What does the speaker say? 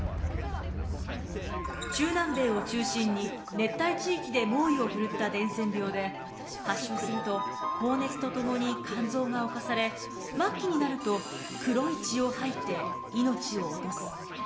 中南米を中心に熱帯地域で猛威をふるった伝染病で発症すると高熱とともに肝臓が侵され末期になると黒い血を吐いて命を落とす。